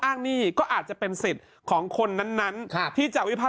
อ้างนี่ก็อาจจะเป็นสิทธิ์ของคนนั้นนั้นครับที่จะวิภา